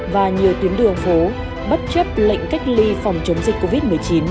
và nhiều tuyến đường phố bất chấp lệnh cách ly phòng chống dịch covid một mươi chín